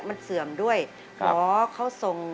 มันเสื่อมด้วยหมอเขาส่ง